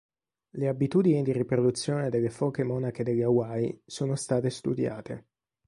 Le abitudini di riproduzione delle foche monache delle Hawaii sono state studiate.